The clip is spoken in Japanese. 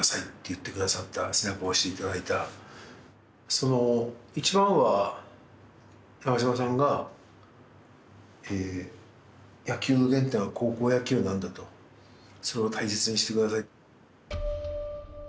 その一番は長嶋さんがえ野球の原点は高校野球なんだとそれを大切にしてください。